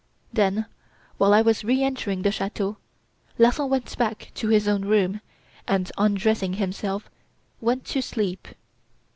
Then, while I was re entering the chateau, Larsan went back to his own room and, undressing himself, went to sleep.